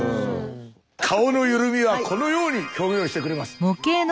顔の緩みはこのように表現をしてくれます。